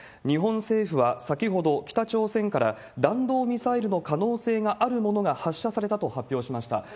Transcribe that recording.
日本政府は先ほど、北朝鮮から弾道ミサイルの可能性があるものが発射されたと発表しました。